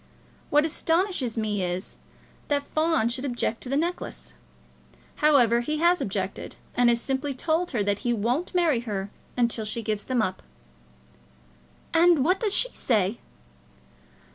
What astonishes me is, that Fawn should object to the necklace. However, he has objected, and has simply told her that he won't marry her unless she gives them up." "And what does she say?"